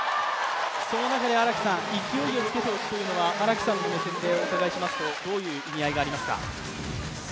その中で勢いをつけておくというのは、荒木さんの目線でお伺いしますとどういう意味合いがありますか？